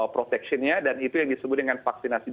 protectionnya dan itu yang disebut dengan vaksinasi